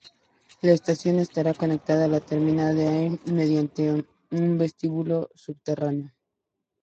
La estación estará conectada la terminal de Adif mediante un vestíbulo subterráneo.